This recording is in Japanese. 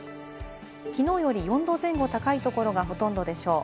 昨日より４度前後高いところがほとんどでしょう。